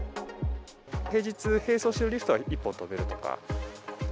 平日、並走しているリフトは１本止めるとか。